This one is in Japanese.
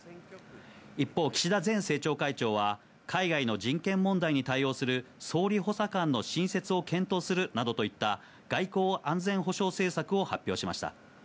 一方、岸田前政調会長は、海外の人権問題に対応する総理補佐官の新設を検討するなどといった、外交・安全保障政策を発表しました。